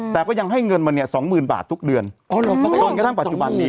แต่ก็ยังให้เงินมาเนี่ยสองหมื่นบาททุกเดือนจนกระทั่งปัจจุบันนี้